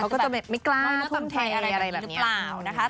เขาก็จะไม่กล้าทำใจอะไรแบบนี้หรือเปล่า